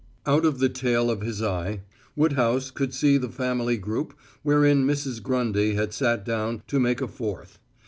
Out of the tail of his eye, Woodhouse could see the family group wherein Mrs. Grundy had sat down to make a fourth.